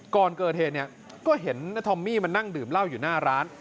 ก่อนเกิดเหตุเนี่ยก็เห็นทอมมี่มานั่งดื่มเหล้าอยู่หน้าร้าน